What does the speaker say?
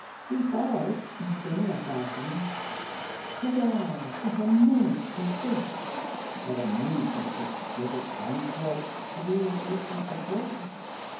We followed, in similar fashion; Hurrah, what a moment is this! What a moment of exquisite transport! A realization of bliss!